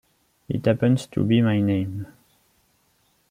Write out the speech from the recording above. It happens to be my name.